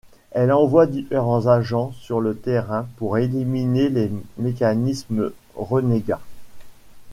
Elle envoie différents agents sur le terrain pour éliminer les Mécanismes renégats.